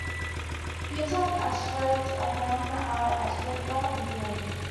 P-type asteroids are found in the outer asteroid belt and beyond.